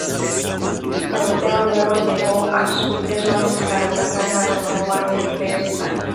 Doroteo luego llevó a sus propios hombres para atacar la retaguardia persa.